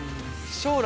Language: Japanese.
将来。